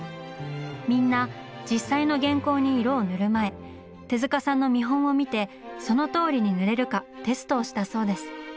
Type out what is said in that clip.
みんな実際の原稿に色を塗る前手さんの見本を見てそのとおりに塗れるかテストをしたそうです。